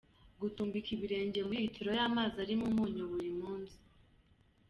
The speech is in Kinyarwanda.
Gutumbika ibirenge muri litilo y’amazi arimo umunyu buri munsi.